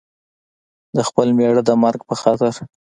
د خپل مېړه د مرګ په خاطر.